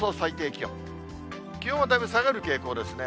気温はだいぶ下がる傾向ですね。